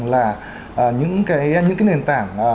là những cái nền tảng